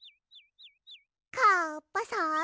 「カッパさん